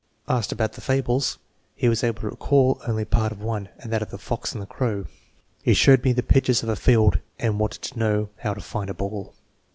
[Asked about the fables he was able to recall only part of one, that of the fox and the crow.] He showed me the picture of a field and wanted to know how to find a ball."